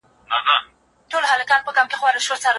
ډلو په خپلو کي همږغي نه درلوده.